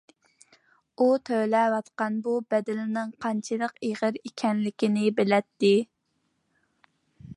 ئۇ تۆلەۋاتقان بۇ بەدىلىنىڭ قانچىلىك ئېغىرلىقىنى بىلەتتى.